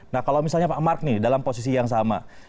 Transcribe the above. nah kalau misalnya pak mark nih dalam posisi yang sama